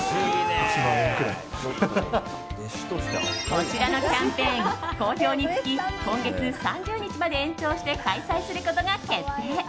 こちらのキャンペーン好評につき今月３０日まで延長して開催することが決定。